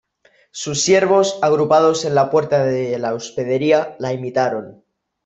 sus siervos, agrupados en la puerta de la hospedería , la imitaron